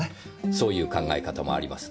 そういう考え方もありますね。